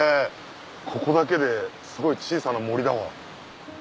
ここだけですごい小さな森だわ。